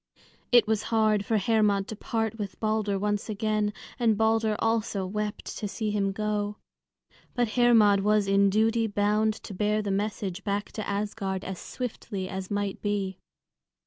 It was hard for Hermod to part with Balder once again, and Balder also wept to see him go. But Hermod was in duty bound to bear the message back to Asgard as swiftly as might be.